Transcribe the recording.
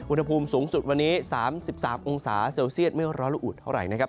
อุณหภูมิสูงสุดวันนี้๓๓องศาเซลเซียสไม่ว่าระอุดเท่าไหร่